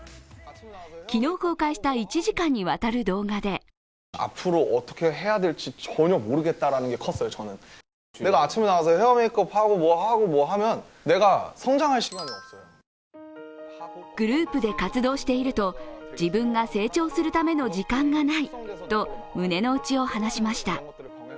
昨日公開した１時間にわたる動画でグループで活動していると自分が成長するための時間がないと胸の内を話しました。